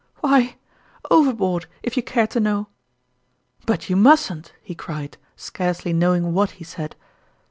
" Why, overboard, if you care to know !"" But you mustn't !" he cried, scarcely know ing what he said.